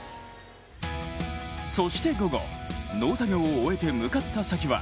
そして午後、農作業を終えて向かった先は